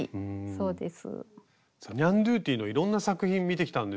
そうです。